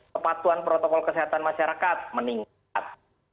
kepatuhan protokol kesehatan masyarakat meningkat